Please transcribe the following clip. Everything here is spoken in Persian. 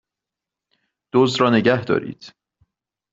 دزد را نگهدارید!